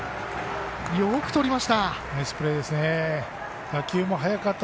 よくとりました。